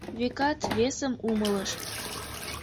Векат, весым умылыш.